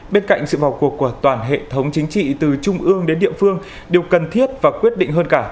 bên cạnh sự vào cuộc của toàn hệ thống chính trị từ trung ương đến địa phương điều cần thiết và quyết định hơn cả